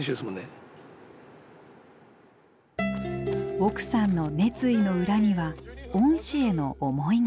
奥さんの熱意の裏には恩師への思いが。